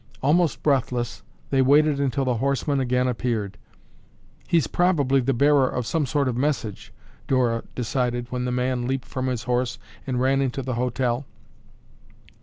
Almost breathless they waited until the horseman again appeared. "He's probably the bearer of some sort of message," Dora decided when the man leaped from his horse and ran into the hotel.